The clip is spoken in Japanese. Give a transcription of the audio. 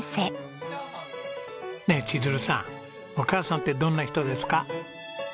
ねえ千鶴さんお母さんってどんな人ですか？